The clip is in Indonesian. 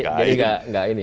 jadi tidak ini ya